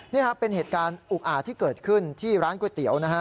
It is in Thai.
นี่ครับเป็นเหตุการณ์อุกอาจที่เกิดขึ้นที่ร้านก๋วยเตี๋ยวนะฮะ